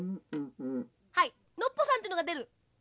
はいノッポさんってのがでる。